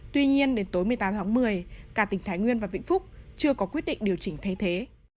tuy nhiên đến tối một mươi tám tháng một mươi cả tỉnh thái nguyên và vĩnh phúc chưa có quyết định điều chỉnh thay thế